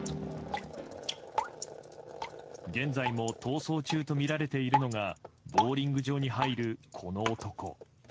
現在も逃走中とみられているのがボウリング場に入る、この男。